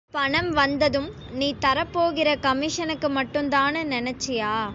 பணம் வந்ததும் நீ தரப்போகிற கமிஷனுக்கு மட்டும்தான்னு நினைச்சியா?